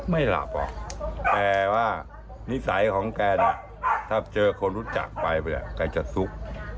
ไม่หลับหรอกแทบว่านิสัยของแกแถบเจอคนที่รู้จักไปไว้แกจะซุก